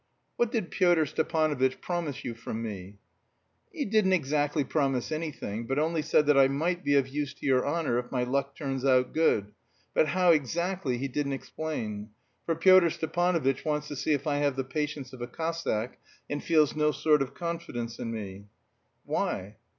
"What did Pyotr Stepanovitch promise you from me?" "He didn't exactly promise anything, but only said that I might be of use to your honour if my luck turns out good, but how exactly he didn't explain; for Pyotr Stepanovitch wants to see if I have the patience of a Cossack, and feels no sort of confidence in me." "Why?"